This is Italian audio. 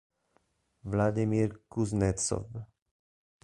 Vladimir Kuznetsov